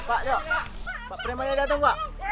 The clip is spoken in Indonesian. pak jok pak premadil datang pak